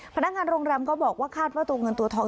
พนักงานโรงแรมก็บอกว่าคาดว่าตัวเงินตัวทอง